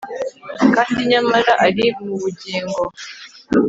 Kandi nyamara ari mu bugingo